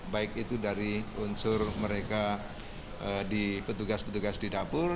baik itu dari unsur mereka di petugas petugas di dapur